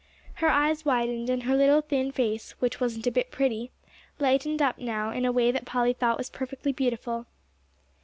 Her eyes widened, and her little thin face, which wasn't a bit pretty, lightened up now in a way that Polly thought was perfectly beautiful.